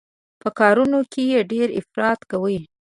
په کارونو کې يې ډېر افراط کوي.